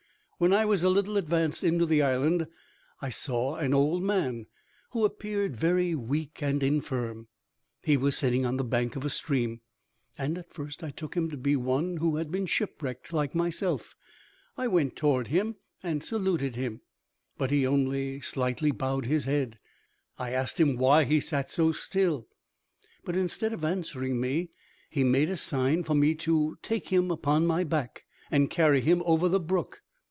When I was a little advanced into the island, I saw an old man, who appeared very weak and infirm. He was sitting on the bank of a stream, and at first I took him to be one who had been shipwrecked like myself. I went toward him and saluted him, but he only slightly bowed his head. I asked him why he sat so still; but instead of answering me, he made a sign for me to take him upon my back, and carry him over the brook.